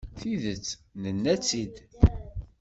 Tidet, nenna-tt-id.